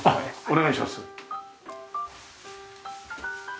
お願いします。